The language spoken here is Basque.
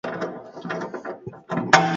Murrizketak erdiko klaseari ezartzea eskatu du.